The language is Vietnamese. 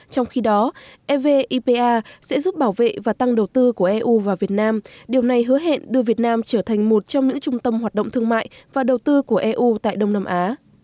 trong khi đó evipa sẽ giúp bảo vệ và tăng đầu tư của eu vào việt nam điều này hứa hẹn đưa việt nam trở thành một trong những trung tâm hoạt động thương mại và đầu tư của eu tại đông nam á